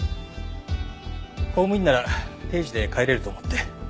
公務員なら定時で帰れると思って。